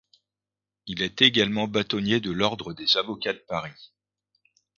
Il est également bâtonnier de l'ordre des avocats de Paris.